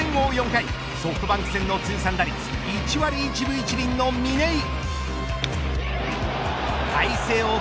４回ソフトバンク戦の通算打率１割１分１厘の嶺井。